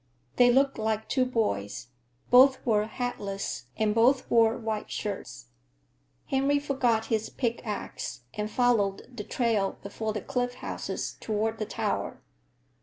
They looked like two boys. Both were hatless and both wore white shirts. Henry forgot his pick axe and followed the trail before the cliff houses toward the tower.